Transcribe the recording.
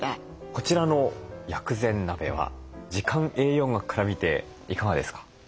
こちらの薬膳鍋は時間栄養学から見ていかがですか？